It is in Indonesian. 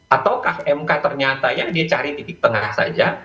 ataukah mk ternyata yang dia cari titik tengah saja